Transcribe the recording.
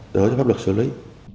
đỡ cho pháp luật xử lý